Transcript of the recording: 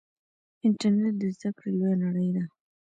انټرنیټ د زده کړې لویه نړۍ ده.